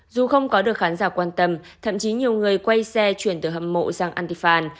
dù không có được khán giả quan tâm thậm chí nhiều người quay xe chuyển từ hầm mộ sang antifan